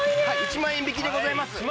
１万円引きでございます。